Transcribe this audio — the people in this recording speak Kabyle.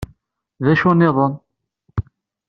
Dacu nniḍen?